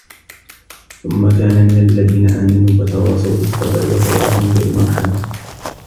ثُمَّ كانَ مِنَ الَّذينَ آمَنوا وَتَواصَوا بِالصَّبرِ وَتَواصَوا بِالمَرحَمَةِ